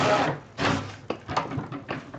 kusindika viazi lishe kuwa unga